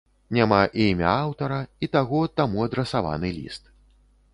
Няма і імя аўтара і таго, таму адрасаваны ліст.